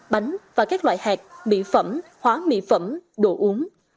bánh và các loại hạt mỹ phẩm hóa mỹ phẩm đồ uống